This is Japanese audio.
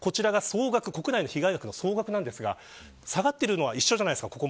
国内の被害額の総額ですが下がっているのは一緒じゃないですか。